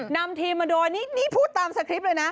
นำทีมมาโดยนี่พูดตามสคริปต์เลยนะ